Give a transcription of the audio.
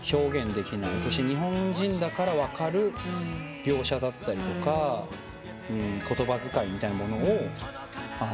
そして日本人だから分かる描写だったり言葉遣いみたいなものを。